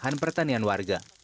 lahan pertanian warga